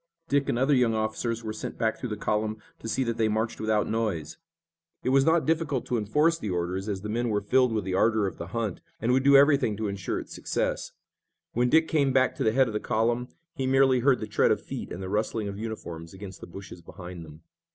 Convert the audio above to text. Dick and other young officers were sent back through the column to see that they marched without noise. It was not difficult to enforce the orders, as the men were filled with the ardor of the hunt, and would do everything to insure its success. When Dick came back to the head of the column he merely heard the tread of feet and the rustling of uniforms against the bushes behind them.